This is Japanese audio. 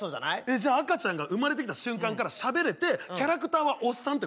じゃあ赤ちゃんが生まれてきた瞬間からしゃべれてキャラクターはおっさんってこと？